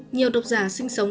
nhiều độc giả sinh sống